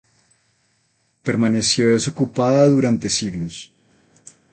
Permaneció desocupada durante siglos.